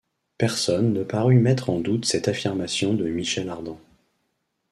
Personne ne parut mettre en doute cette affirmation de Michel Ardan.